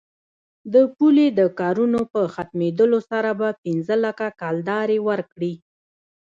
د پولې د کارونو په ختمېدلو سره به پنځه لکه کلدارې ورکړي.